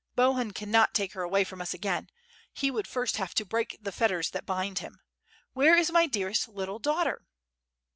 Bohun cannot take her away from us again; he would first have to break the fetters that bind him. Where is my dearest little daughter?"